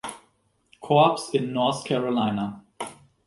Korps in North Carolina.